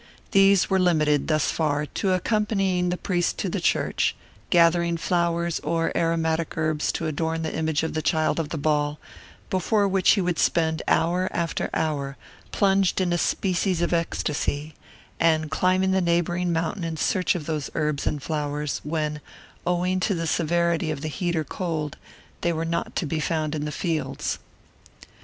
These were limited, thus far, to accompanying the priest to the church; gathering flowers or aromatic herbs to adorn the image of the "Child of the Ball," before which he would spend hour after hour, plunged in a species of ecstasy; and climbing the neighboring mountain in search of those herbs and flowers, when, owing to the severity of the heat or cold, they were not to be found in the fields.